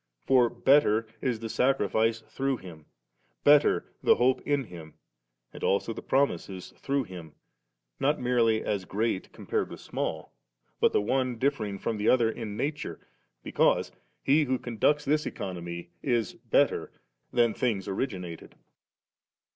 For better is the sacrifice through Him, better the hope in Him ; and also the promises through Him, not merely as great compared with small, but the one differing fi om the other in nature, because He who conducts this economy, is ' better' than things originated.